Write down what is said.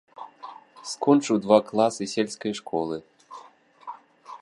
Скончыў два класы сельскай школы.